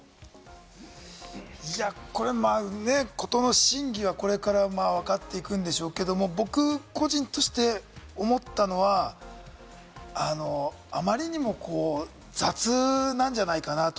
これ、ことの真偽はこれからわかっていくんでしょうけれども、僕個人として思ったのは、あまりにも雑なんじゃないかなと。